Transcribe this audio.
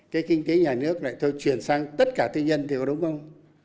cái kinh tế nhà nước lại thôi chuyển sang tất cả tư nhân thì có đúng không